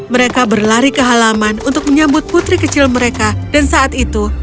mereka berlari ke halaman untuk menyambut putri kecil mereka dan saat itu